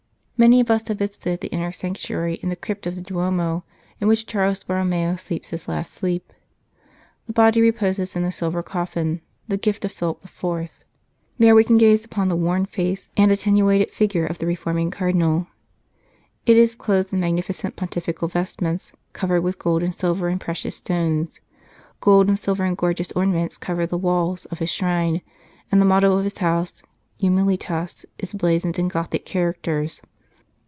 Many of us have visited the inner sanctuary in the crypt of the Duomo in which Charles Borromeo sleeps his last sleep. The body reposes in a silver coffin, the gift of Philip IV. There we can gaze upon the worn face and attenuated figure of the reforming Cardinal. It is clothed in magnificent pontifical vestments, covered with gold and silver and precious stones. Gold and silver and gorgeous ornaments cover the walls of his shrine, and the motto of his House, " Humilitas," is blazoned in Gothic characters.